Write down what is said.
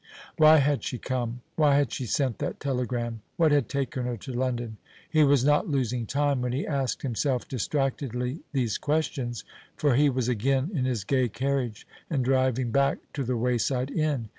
Why had she come? why had she sent that telegram? what had taken her to London? He was not losing time when he asked himself distractedly these questions, for he was again in his gay carriage and driving back to the wayside inn.